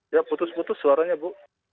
ya putus putus suaranya bu